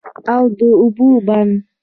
او د اوبو بند